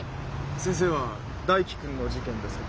先生は大樹君の事件ですか？